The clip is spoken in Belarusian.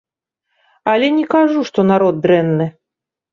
Але не кажу, што народ дрэнны.